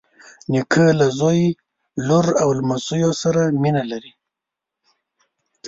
نیکه له زوی، لور او لمسیو سره مینه لري.